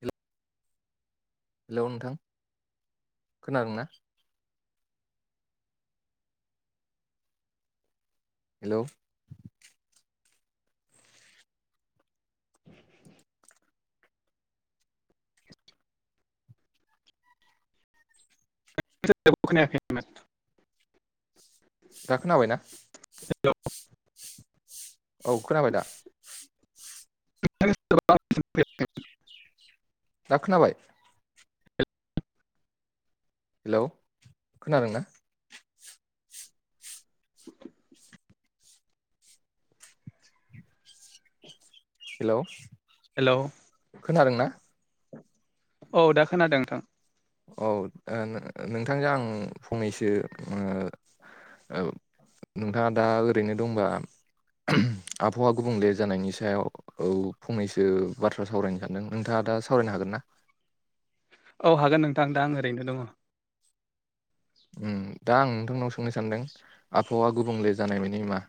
हेल' hello नोंथां खोनादों ना? हेलौ। [unintelligible] [unintelligible] दा खोनाबायना? औ खोनाबाय दा। [unintelligible] दा खोनाबाय। हेलौ खोनादोंना? हेलौ हेलौ खोनादोंना औ दा खोनादों नोंथां। औ ओ नोंथांजों आं फंनैसो ओ औ। नोंथाङा दा ओरैनो दंबा आबहावा गुबुंले जानायनि सायाव औ फंनैसो बाथ्रा सावरायनो सानदों नोंथाङा दा सावरायनो हागोन ना? औ हागोन नोंथां दा आं ओरैनो दङ। उम दा आं नोंथांनाव सोंनो सानदों आबहावा गुबुंले जानाय मानि मा?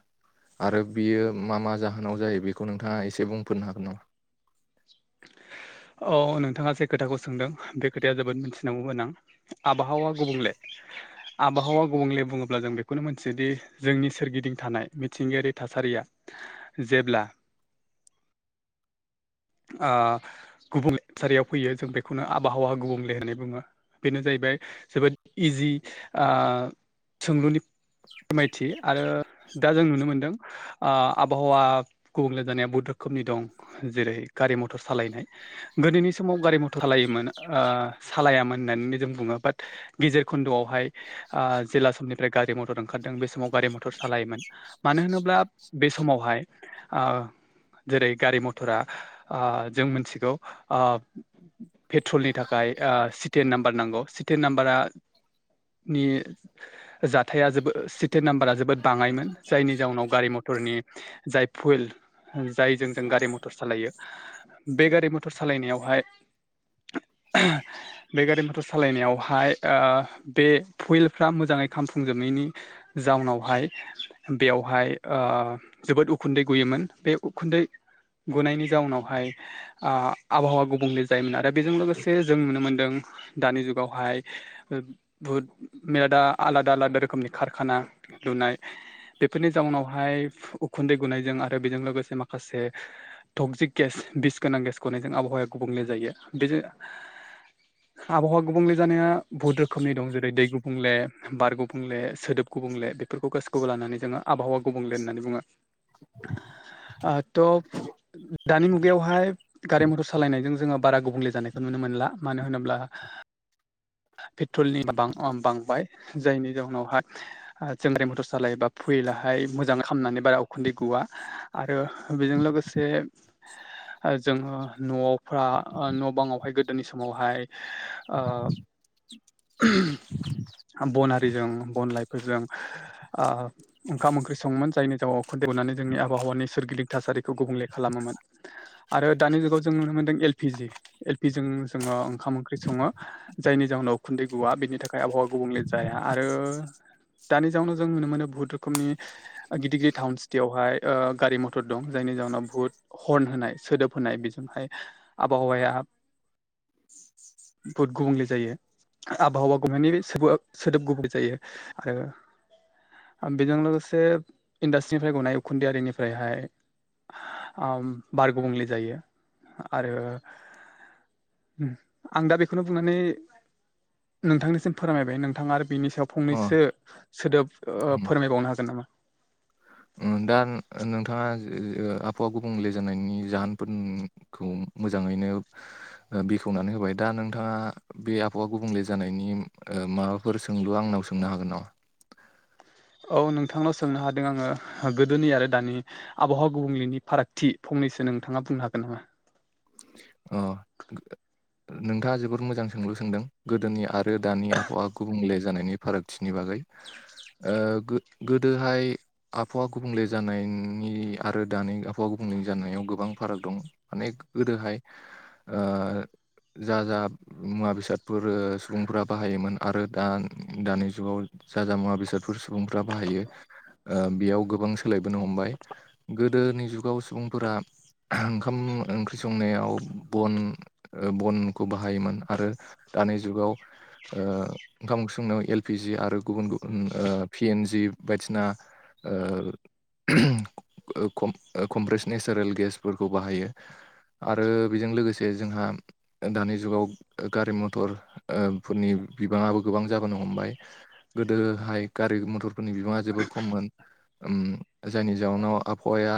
आरो बियो मा मा जाहोनाव जायो बेखौ नोंथाङा एसे बुंफोरनो हागोन नामा? औ नोंथाङा जे खोथाखौ सोंदों बे खोथाया जोबोद मिथिनांगौ गोनां। आबहावा गुबुंले आबहावा गुबुंले बुङोब्ला जों बेखौनो मोनथियोदि जोंनि सोरगिदिं थानाय मिथिंगायारि थासारिया जेब्ला ओ गुबुंले थासारियाव फैयो जों बेखौनो आबहावा गुबुंले होननानै बुङो। बेनो जाहैबाय जोबोद इजि ओ सोंलुनि फोरमायथि आरो दा जों नुनो मोनदों आबहावा गुबुंले जानाया बहुद रोखोमनि दं जेरै गारि मथर सालायनाय। गोदोनि समाव गारि मथर सालायोमोन ओ सालायामोन होननानै जों बुङो बाट गेजेर खन्द'आवहाय ओ जेला समनिफ्राय गारि मटर ओंखारदों बे समाव गारि मटर सालायोमोन। मानो होनोब्ला बे समावहाय ओ जेरै गारि मथरा आ जों मिथिगौ आ। पेट्रलनि थाखाय आ सिटेन नाम्बार नांगौ सिटेन नाम्बारा नि जाथाया जोबोद सिटे नाम्बारा जोबोद बाङायोन जायनि जाउनाव गारि मटरनि जाय पुइल जायजों जों गारि मटर सालायो बे गारि मथर सालायनायावहाय बे गारि मटर सालायनायावहाय ओ बे फुइलफ्रा मोजाङै खामफुंजोबनायनि जाउनावहाय बेयावहाय ओ‌ जोबोद उखुन्दै गयोमोन बे उखुन्दै गुनायनि जाउनावहाय आ आबहावा गुबुंले जायोमोन आरो बेजों लोगोसे जों नुनो मोन्दों दानि जुगावहाय ओ बहुद मेरलादा आलादा आलादा रोखोमनि कारखाना लुनाय। बेफोरनि जाउनावहाय उखुन्दै गुनायजों आरो बेजों लोगोसे माखासे टगजिक गेस बिस गोनां गेस गनायजों आबहावाया गुबुंले जायो। बेजों [inaudible] [unintelligible] आबहावा गुबुंले जानाया बुहुत रोखोमनि दं जेरै दै गुबुंले बार गुबुंले सोदोब गुबुंले बेफोरखौ गोसोखौबो लानानै जोङो आबहावा गुबुंले होननानै बुङो। [inaudible] [unintelligible] थ' दानि मुगायावहाय गारि मटर सालायनायजों जोङो बारा गुबुंले जानायखौ नुनो मोनला। मानो होनोब्ला पेट्रलनिां बांबाय जायनि जाउनावहाय जों गारि मथर सालायोबा फैलाहाय मोजाङ खालामनानै बारा उखुन्दै गुवा आरो बेजों लोगोसे जोङो न'आवफ्रा न' बाङावहाय गोदोनि समावहाय ओ ब'नारिजों ब'न लाइफोरजों ओ ओंखाम ओंख्रि सङोम जायनि जाउावखौ देवनानै जोंनि आबहावानि सोरगिदिं थासारिखौ गुबुंले खालामोमोन। आरो दानि जुगाव जों नुनो मोनदों एलपि जि एलपि जि जों जोङो ओंखाम ओंख्रि सङो। जायनि जाहोनाव उखुन्दै गुवआ बेनि थाखाय आबहावा गुबुंले जाया। आरो दानि जाउनाव जों नुनो मोनो बहुत रोखोमनि गिदिर गिदिर टाउन सिटियावहाय ओ गारि मथर दं जायनि जउनाव बुहुत हरन होनाय सोदोब होनाय बेजोंहाय आबहावाया [inaudible] [unintelligible] बुथ गुबुंले जायो आबहावा गुबनायनि सोदोब गुबै जायो आरो बेजों लोगोसे इन्डास्ट्रिनिफ्राय गनाय उखुन्दैारिनिफ्रायहाय ओम बार गुबुंले जायो आरो आं दा बेखौनो बुंनानै नोंथांनिसिम फोरमायबाय नोंथाङा आरो बिनि सायाव अ फंनैसो सोदोब उम फोरमायबावनो हागोन नामा? दा नोंथाङा ओ आबहावा गुबुंले जानायनि जाहोनफोर खौ मोजाङैनो बेखेवनानै होबाय। दा नोंथाङा बे आबहावा गुबुंले जानायनि माबाफोर सोंलु आंनाव सोंनो हागोन नामा? औ नोंथांनाव सोंनो हादों आङो गोदोनि आरो दानि आबहाव गुबुंलेनि फारागथि फंनैसो नोंथाङा बुंनो हागोन नामा? अ नोंथाङा जोबोद मोजां सोंलु सोंदों गोदोनि आरो दानि आबहावा गुबुंले जानायनि। फारागथिनि बागै ओ गोदोहाय आबहावा गुबुंले जानायनि आरो दानि आबहावा गुबुंले जानायाव गोबां फाराग दं। माने गोदोहाय ओ जा-जा मुवा बेसादफोर ओ सुबुंफोरा बाहायोमोन आरो दा दानि जुगाव ज-जा मुवा बेसादफोर सुबुंफ्रा बाहायो बेयाव गोबां सोलायबोनो हमबाय। गोदोनि जुगाव सुबुंफोरा ओंखाम ओख्रि संनायाव बन ओ बनखौ बाहायोमोन आरो दानि जुगाव ओ ओंखाम ओंख्रि संनायाव एल पि जि आरो गुबुन गुबुन पिएन जि बायदिना। ओ ओ कमप्रेस नेचारेल गेसफोरखौ बाहायो। आरो बेजों लोगोसे जोंहा दानि जुगाव गारि मथर ओ फोरनि बिबाङआबो गोबां जाबोनो हमबाय। गोदोहाय गारि मथरफोरनि बिबाङा जोबोर खममोन। ओम जायनि जाउनाव आबहावाया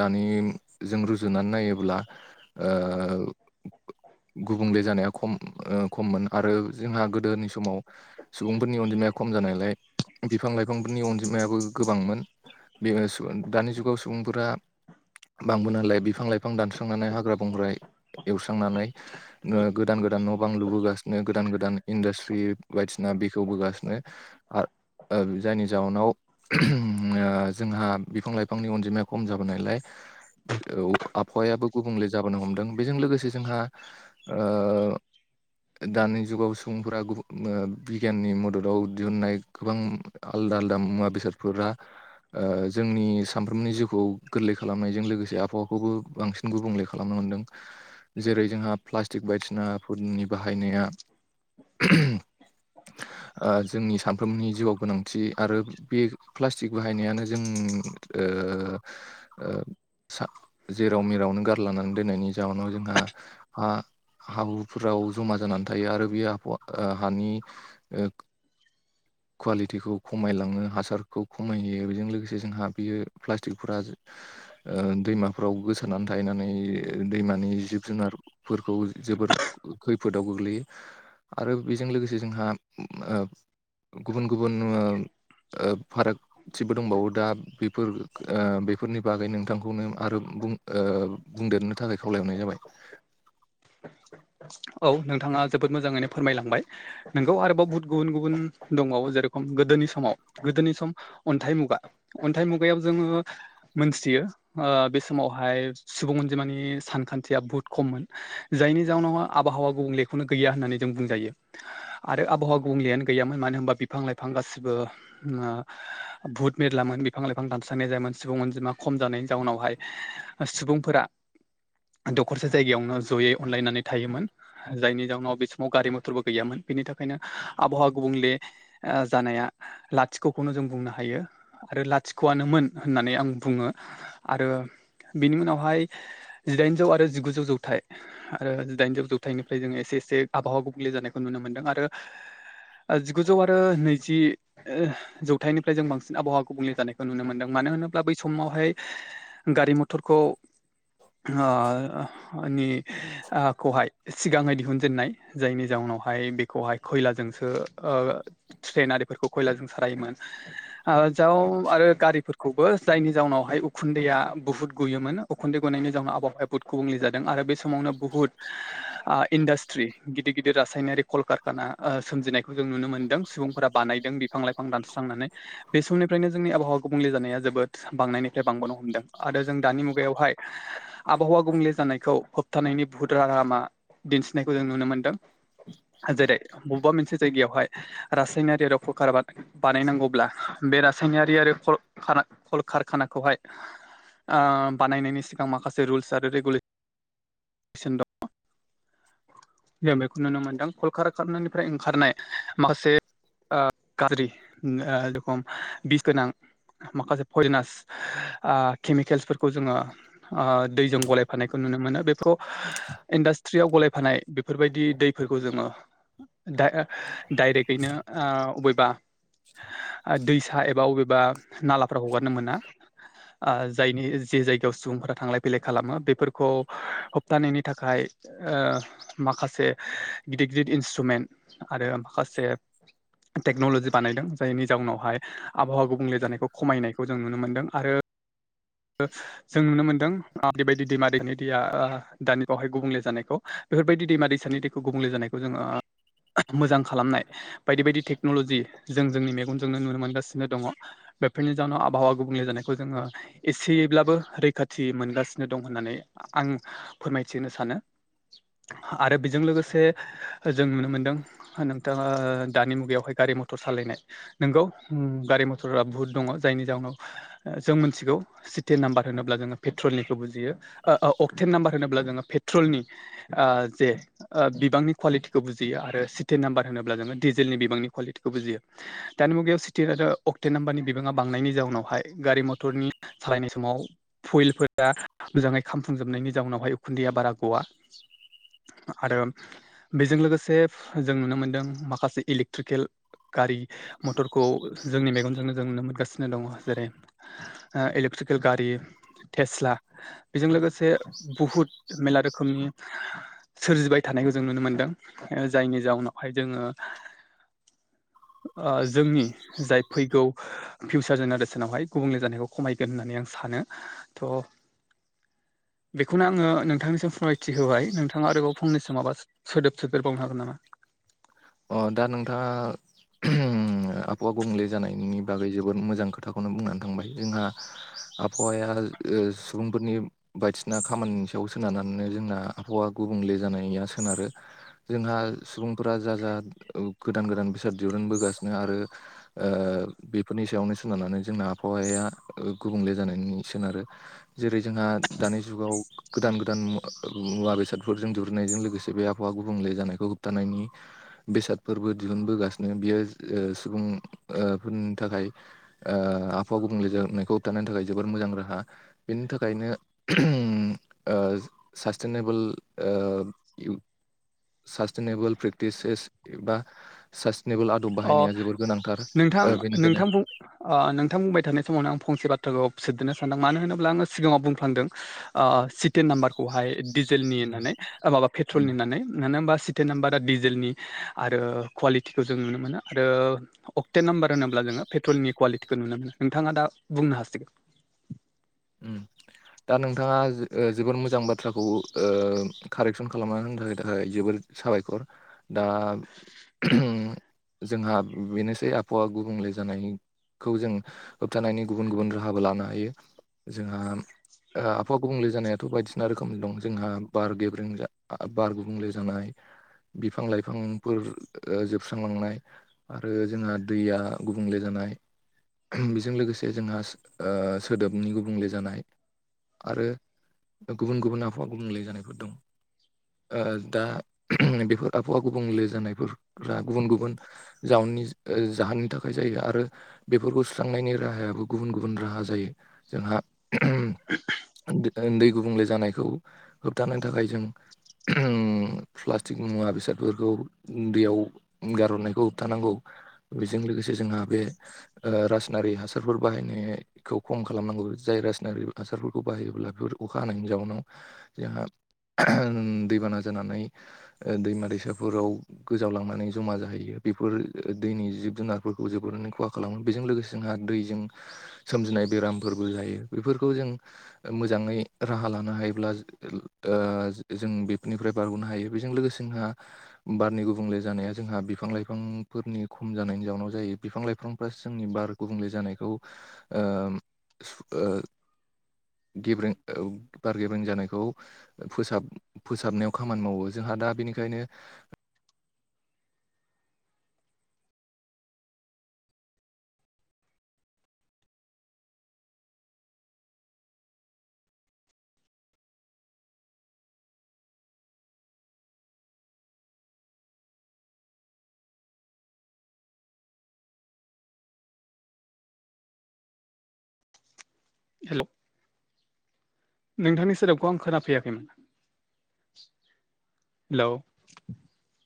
दानिजों रुजुनानै नायोब्ला। ओ गुबुंले जानाया खम खममोन आरो जोंहा गोदोनि समाव सुबुंफोरनि अनजिमाया खम जानायलाय बिफां लाइफांफोरनि अनजिमायाबो गोबांमोन बे दानि जुगाव सुबुंफोरा बांबोनायलाय बिफां लाइफां दानस्रांनाय एवस्रांनानै हाग्रा बंग्रा एवस्रांनानै गोदान गोदान न' बां लुबोगासिनो गोदान गोदान इन्डास्ट्रि बायदिसिना बेखेवबोगासिनो आरो जायनि जाउनाव जोंहा बिफां लाइफांनि अनजिमाया खम जाबोनायलाय औ आबहायाबो गुबुंले जाबोनो हमदों बेजों लोगोसे जोंहा ओ दानि जुगाव सुबुंफोरा गुब बिगियाननि मददाव दिहुननाय गोबां आलदा आलदा मुवा बेसारफोरा जोंनि सानफ्रोमनि जिउखौ गोरलै खालामनायजों लोगोसे आबहावाखौबो बांसिन गुबुंले खालामनो मोन्दों जेरै जोंहा प्लास्टिक बायदिसिनाफोरनि बाहायनाया जोंनि सानफ्रोमनि जिउआव गोनांथि आरो बे प्लास्टिक बाहायनायानो जों ओ ओ साब जेराव मेराव नो गारलानानै दोननायनि जाउनाव हा हाब्रुफोराव जमा जानानै थायो आरो बे हानि ओ कुवालिटिखौ खमायलाङो हासारखौ खमायहैयो बेजों लोगोसे जोंहा बियो प्लास्टिकफोरा ओ दैमाफ्राव गोसानानै थायनानै दैमानि जिब जुनारफोरखौ जोबोर खैफोदाव गोग्लैयो आरो बेजों लोगोसे जोंहा गुबुन गुबुन ओ फाराग थिबो दंबावो दा बेफोर बेफोरनि बागै नोंथांखौनो आरो बुं बुंदेरनो थाखाय खावलायहरनाय जाबाय औ नोंथाङा जोबोद मोजाङैनो फोरमायलांबाय नोंगौ आरोबाव बहुत गुबुन गुबुन दंबावो जेरेखम गोदोनि समाव गोदोनि सम अन्थाइ मुगा अन्थाइ मुगायाव जोङो मोनथियो बे समावहाय सुबुं अनजिमानि सानखान्थिया बुहुत खममोन जायनि जाउनाव आबहावा गुबुंलेखौनो गैया होननानै जों बुंजायो आरो आबहावा गुबुंलेयानो गैयामोन मानो होनबा बिफां लाइफां गासैबो भुत मेरलामोन बिफां लाइफां दानस्रांनाय जायामोन सुबुं अनजिमा खम जानायनि जाउनावहाय सुबुंफोरा दखरसे जायगायावनो जयै अनलायनानै थायोमोन जायनि जाउनाव बे समाव गारि मथरबो गैयामोन बिनि थाखायनो आबहावा गुबुंले ओ जानाया लाथिख'खौनो जों बुंनो हायो आरो लाथिख'आनोमोन होननानै आं बुङो आरो बिनि उनावहाय जिदाइनजौ आरो जिगुजौ जौथाय आरो जिदाइनजौ जौथाइनिफ्राय जोङो एसे एसे आबहावा गुबुंले जानायखौ नुनो मोनदों आरो जिगुजौ आरो नैजि जौथायाइनिफ्राय जों बांसिन आबहावा गुबुंले जानायखौ नुनो मोन्दों मानो होनोब्ला बै समावहाय गारि मथरखौ ओ नि खौहाय सिगाङै दिहुनजेननाय जायनि जाउनावहाय बेखौहाय खैलाजोंसो ट्रेन आरिफोरखौ खयलाजों सालायोमोन [inaudible] जाव आरो गारिफोरखौबो जायनि जाउनावहाय उखुन्दैया बुहुत गुयोमोन उखुन्दै गनायनि जाउनाव आबहावाया बुद गुबुंले जादों आरो बे समावनो बुहुत [unintelligible] इन्डास्ट्रि गिदिर गिदिर रासायनारि कल कारखाना सोमजिनायखौ जों नुनो मोनदों सुबुंफोरा बानायदों बिफां लाइफां दानस्रांनानै बे समनिफ्रायनो जोंनि आबहावा गुबुंले जानाया जोबोद बांनायनिफ्राय बांबोनो हमदों आरो जों दानि मुगायावहाय आबहावा गुबुंले जानायखौ होबथानायनि बुहुत राहालामा दिन्थिनायखौ जों नुनो मोन्दों। जेरै बबेबा मोनसे जायगायावहाय रासायनारि आरो ककाराबाद बानायनांगौब्ला बे रासायनारि आरो कलकारखानाखौहाय बानायनायनि सिगां माखासे रुल्स आरो रेगुले सन‌ दङ। जों बेखौ नुनो मोन्दों कलखारनानिफ्राय ओंखारनाय माखासे गाज्रि जेरेखम बिस गोनां माखासे पयजनास केमिकेल्सफोरखौ जोङो दैजों गलायफानायखौ नुनो मोनो बे खौ इन्डास्ट्रियाव गलायफानाय बेफोरबायदि दैफोरखौ जोङो दा डाइरेक्टयैनो अबेबा दैसा एबा अबेबा नालाफ्राव हगारनो मोना। जायनि जि जायगायाव सुबुंफोरा थांलाय फैलाय खालामो बेफोरखौ होबथानायनि थाखाय ओ माखासे गिदिर गिदिर इन्सट्रुमेन्ट आरो माखासे टेक्नलजि बानायदों जायनि जाउनावहाय आबहावा गुबुंले जानायखौ खमायनायखौ जों नुनो मोनदों आरो जों नुनो मोनदों बेबायदि दैमा दैनि दैया दानि बावहाय गुबुंले जानायखौ। बेफोरबायदि दैमा दैसानि दैखौ गुबुंले जानायखौ जोङो मोजां खालामनाय बायदि बायदि टेक्न'ल'जि जों जोंनि मेगनजोंनो नुनो मोनगासिनो दङ। बेफोरनि जााहोनाव आबहावा गुबुंले जानायखौ जोङो एसेयैब्लाबो रैखाथि मोनगासिनो दं होननानै आं फोरमायथिहोनो सानो। आरो बेजों लोगोसे जों नुनो मोनदों नोंथाङा दानि मुगायावहाय गारि मथर सालायनाय। नंगौ गारि मथरा बुहुद दङ जायनि जाउनाव जों मिथिगौ सिटेन नाम्बार होनोब्ला जोङो पेट्रलनिखौ बुजियो अक्टेन नाम्बार होनोब्ला जोङो पेट्रलनि ओ जे बिबांनि कुवालिटिखौ बुजियो आरो सिटे नाम्बार होनोब्ला जोङो डिजेलनि बिबांनि कुवालिटिखौ बुजियो। दानि मुगायाव सिटे आरो अक्टे नाम्बारनि बिबाङा बांनायनि जाउनावहाय गारि मथरनि सालायनाय समाव फयलफोरा मोजाङै खामफुंजोबनायनि जाउनावहाय उखुन्दैया बारा गवा। आरो बेजों लोगोसे जों नुनो मोनदों माखासे इलेक्ट्रिकेल गारि मथरखौ जोंनि मेगनजोंनो जों नुनो मोनगासिनो दङ जेरै इलेक्ट्रिकेल गारि टेस्ला बेजों लोगोसे मोनसे बुहुत मेरला रोखोमनि सोरजिबाय थानायखौ जों नुनो मोनदों जायनि जाउनावहाय जोङो जोंनि जाय फैगौ फिउचार जेनेरेसनावहाय गुबुंले जानायखौ खमायगोन होननानै आं सानो थ' बेखौनो आङो नोंथांनिसिम फोरमायथि होबाय नोंथाङा आरोबाव फंनैसो माबा सोदोब सोदेरबावनो हागोन नामा? अ दा नोंथाङा ओ‌ आबहावा गुबंले जानायनि बागै जोबोद मोजां खोथाखौनो बुंनानै थांबाय जोंहा - आबहावाया ओ सुबुंफोरनि बायदिसिना खामानिनि सायाव सोनारनानैनो जोंना आबहावा गुबुंले जानाया सोनारो। जोंहा सुबुंफोरा जा जा गोदान गोदान बेसाद दिरुनबोगासिनो आरो ओ बेफोरनि सायावनो सोनारनानै जोंना आबहावाया गुबुंले जानायनि सोनारो। जेरै जोंहा दानि जुगाव गोदान गोदान मुवा मुवा बेसादफोरजों दुरुननायजों लोगोसे बे आ हावा गुबुंले जानायखौ होबथानायनि बेसादफोरबो दिहुनबोगासिनो बियो ओ सुबुंफोरनि थाखाय ओ आबहावा गुबुंले जाबनायखौ होबथानो थाखाय जोबोर मोजां राहा बेनि थाखायनो ओ सासटेनबोल ओ- साचटेनेबल फ्रे टिसेस एबा सास्टेनेबोल आदब अ बाहायनाया जोबोर गोनांथार नोंथां ओ बेनिखायनो नोंथां बुं ओ नोंथां बुंबाय थानाय समावनो आं फंसे बाथ्राखौ सोदोननो सानदों मानो होनोब्ला आङो सिगाङाव बुंफ्लांदों ओ सिटेन नाम्बारखौहाय डिजेलनि होननानै माबा उम पेट्रलनि होननानै मानो होमबा सिटेन नाम्बारा दिजेलनि आरो क्वालिटिखौ जों नुनो मोनो दों अक्टे नाम्बार होनोब्ला जोङो पेट्रलनि कुवालिटिखौ मोनो नोंथाङा दा बुंनो हासिगोन उम दा नोंथाङा ओ जोबोर मोजां बाथ्राखौ ओ कारेक्सन खालामना होनो थाखाय थाखाय जोबोर साबायखर दा जोंहा बेनोसै आबहावा गुबुंले जानायनि खौ जों होबथानायनि गुबुन गुबुन राहाबो लानो हायो जोंहा ओ आबहावा गुबुंले जानायाथ' बायदिसिना रोखोम दं जोंहा बार गेबं बार गुबुंले जानाय बिफां लाइफांफोर ओ जोबस्रांलांनाय आरो जोंहा दैया गुबुंले जानाय बेजों लोगोसे जोंहा ओ सोदोबनि गुब बुंले जानाय आरो गुबुन गुबुन आबहावा गुबुंले जानायफोर दं ओ दा बेफोर आबहावा गुबुंले जानायफोरा गुबुन गुबुन जाउननि ओ जाहोननि थाखाय जायो आरो बेफोरखौ सुस्रांनायनि राहायाबो गुबुन गुबुन राहा जायो जोंहा उन्दै गुबुंले जानायखौ होबथानो थाखाय जों प्लास्टिक मुवा बेसादफोरखौ दैआव गार'नायखौ होबथानांगौ बेजों लोगोसे जोंहा बे ओ रासायनारि हासारफोर बाहायनायखौ खम खालामनांगौ जाय रासनारि हासारफोरखौ बाहायोब्ला बेफोर अखा हानायनि जाउनाव जोंहा दैबाना जानानै दैमा दैसाफोराव गोजावलांनानै जमा जाहैयो बेफोर दैनि जिब जुनारफोरखौ जोबोरै खहा खालामो बेजों लोगोसे जोंहा दैजों सोमजिनाय बेरामफोरबो जायो बेफोरखौ जों मोजाङै राहा लानो हायोब्ला ओ जों बेफोरनिफ्राय बारग'नो हायो बेजों लोगोसे जोंहा बारनि गुबुंले जानाया जोंहा बिफां लाइफांफोरनि खम जानायनि जाउयोनाव जायो बिफां लाइफांफोरा जोंनि बार गुबुंले जानायखौ ओ सु ओ गेब्रें ओ बार गेब्रें जानायखौ फोसाब फोसाबनायाव खामानि मावो जोंहा दा बेनिखायनो हेल' नोंथांनि सोदोबखौ आं खोनाफैयाखैमोन हेलौ